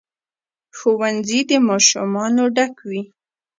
ښوونځي د ماشومانو ډک وي.